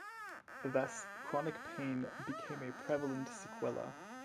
Thus, chronic pain became a prevalent sequela.